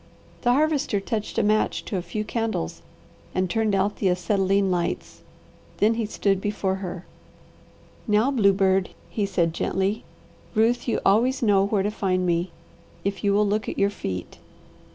The Harvester touched a match to a few candles and turned out the acetylene lights. Then he stood before her. "Now, bluebird," he said gently. "Ruth, you always know where to find me, if you will look at your feet.